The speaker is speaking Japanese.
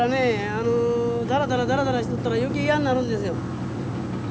あのダラダラダラダラしとったら余計嫌になるんですよ。